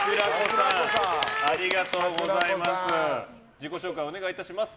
自己紹介をお願いいたします。